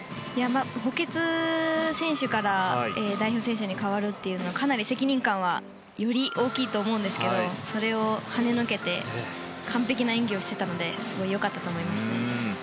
補欠選手から代表選手に代わるというのはかなり責任感はより大きいと思うんですけどそれをはねのけて完璧な演技をしていたのですごく良かったと思います。